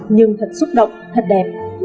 nhưng thật xúc động thật đẹp